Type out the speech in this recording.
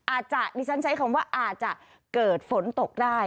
อาจจะดิฉันใช้คำว่าอาจจะเกิดฝนตกได้